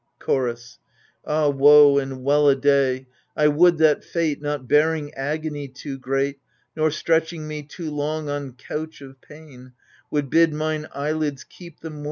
Chorus Ah woe and well a day ! I would that Fate — Not bearing agony too great. Nor stretching me too long on couch of pain — Would bid mine eyelids keep The momingless and unawakening sleep